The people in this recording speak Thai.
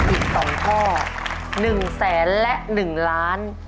อีก๒ข้อ๑แสนและ๑ล้าน